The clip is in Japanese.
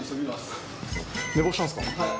はい。